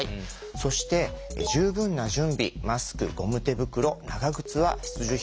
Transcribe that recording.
そして十分な準備マスクゴム手袋長靴は必需品。